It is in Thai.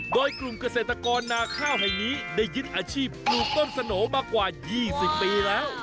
โดยกลุ่มเกษตรกรนาข้าวแห่งนี้ได้ยึดอาชีพปลูกต้นสโหน่มากว่า๒๐ปีแล้ว